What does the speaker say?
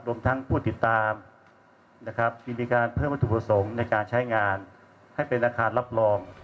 รวมทั้งผู้ติดตามนะครับจะมีการเพิ่มวัตถุประสงค์ในการใช้งานให้เป็นอาคารรับรอง